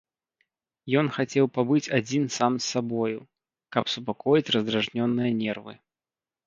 Ён хацеў пабыць адзін сам з сабою, каб супакоіць раздражнёныя нервы.